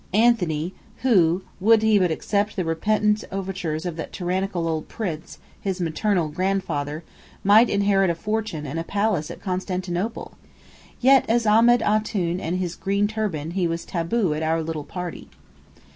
Anthony who, would he but accept the repentant overtures of that tyrannical old prince, his maternal grandfather, might inherit a fortune and a palace at Constantinople! Yet as Ahmed Antoun in his green turban, he was "taboo" at our little party.